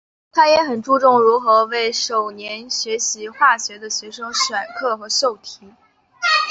他也很注重如何为首年学习化学的学生选题和授课。